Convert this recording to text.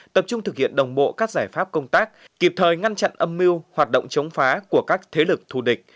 tập trung thực hiện đồng bộ các giải pháp công tác kịp thời ngăn chặn âm mưu hoạt động chống phá của các thế lực thù địch